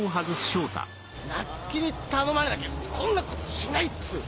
夏希に頼まれなきゃこんなことしないっつうの！